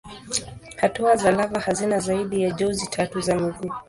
Hatua za lava hazina zaidi ya jozi tatu za miguu.